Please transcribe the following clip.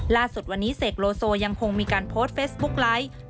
ล่าสุดวันนี้เสกโลโซยังคงมีการโพสต์เฟซบุ๊กไลฟ์